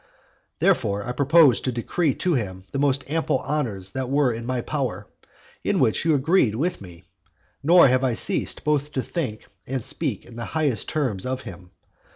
Therefore I proposed to decree to him the most ample honours that were in my power, in which you agreed with me, nor have I ceased both to think and speak in the highest terms of him.